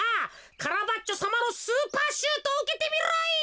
カラバッチョさまのスーパーシュートをうけてみろ！